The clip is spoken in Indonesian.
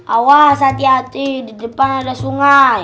awas hati hati di depan ada sungai